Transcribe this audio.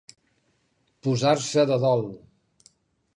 Posar-se de dol.